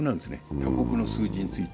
他国の数字について。